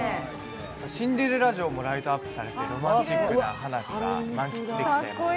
シンデレラ城もライトアップされてロマンチックな花火が満喫できちゃいます。